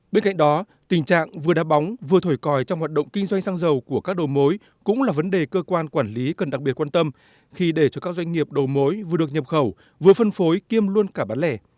bên cạnh đó tình trạng vừa đa bóng vừa thổi còi trong hoạt động kinh doanh xăng dầu của các đồ mối cũng là vấn đề cơ quan quản lý cần đặc biệt quan tâm khi để cho các doanh nghiệp đầu mối vừa được nhập khẩu vừa phân phối kiêm luôn cả bán lẻ